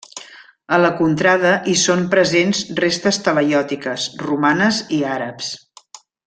A la contrada hi són presents restes talaiòtiques, romanes i àrabs.